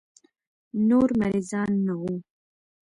نور مريضان نه وو.